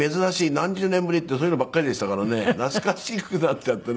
何十年ぶり」っていうそういうのばっかりでしたからね懐かしくなっちゃってね。